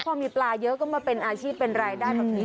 แล้วพอมีปลาเยอะก็มาเป็นอาชีพเป็นรายได้เหมือนนี้